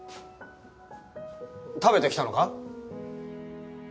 食べてきたのか？